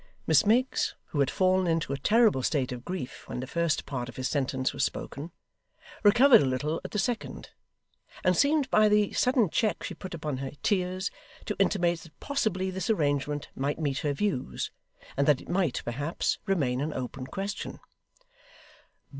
Miss Miggs, who had fallen into a terrible state of grief when the first part of this sentence was spoken, recovered a little at the second, and seemed by the sudden check she put upon her tears, to intimate that possibly this arrangement might meet her views; and that it might, perhaps, remain an open question.